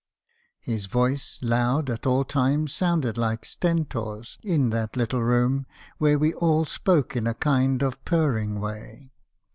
"His voice, loud at all times, sounded like Stentor's, in that little room, where we all spoke in a kind of purring way.